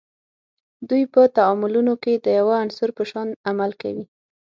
دوی په تعاملونو کې د یوه عنصر په شان عمل کوي.